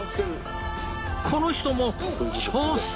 この人も挑戦！